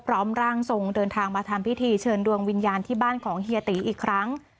ร่างทรงเดินทางมาทำพิธีเชิญดวงวิญญาณที่บ้านของเฮียตีอีกครั้ง